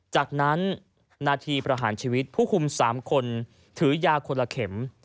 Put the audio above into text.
จากนั้นนาทีประหารชีวิตผู้คุม๓คนถือยาคนละเข็ม